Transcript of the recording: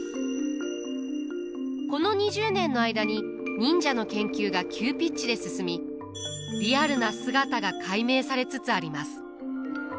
この２０年の間に忍者の研究が急ピッチで進みリアルな姿が解明されつつあります。